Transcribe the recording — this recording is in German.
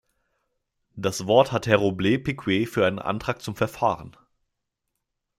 Das Wort hat Herr Robles Piquer für einen Antrag zum Verfahren.